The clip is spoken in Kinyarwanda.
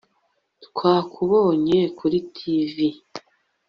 Twakubonye kuri TV